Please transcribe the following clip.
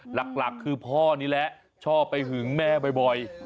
หลักคือพ่อนี่แหละชอบไปหึงแม่บ่อย